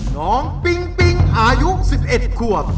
น้องปิ้งปิ้งอายุ๑๑ขวบ